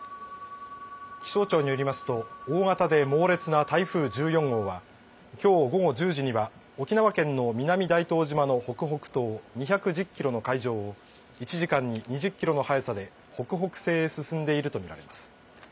気象庁によりますと大型で猛烈な台風１４号はきょう午後１０時には沖縄県の南大東島の北北東、２１０キロの海上を１時間に２０キロの速さで北北西へ進んでいると見られます。